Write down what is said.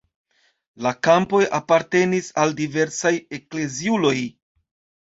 La kampoj apartenis al diversaj ekleziuloj.